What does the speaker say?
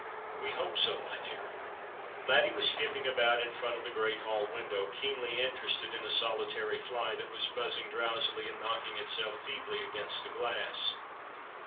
" We hope so, my dear." Laddie was skipping about in front of the great hall window, keenly interested in a solitary fly that was buzzing drowsily and knocking itself feebly against the glass.